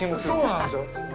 そうなんですよ。